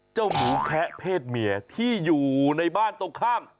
เจ้าหมูแคะเพศเมียที่อยู่ในบ้านตรงข้าม